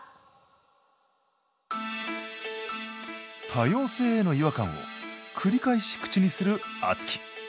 「多様性」への違和感を繰り返し口にするあつき。